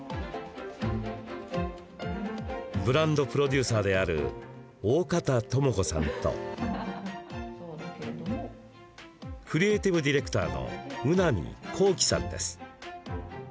ブランドプロデューサーである大方知子さんとクリエーティブディレクターの宇波滉基さんです。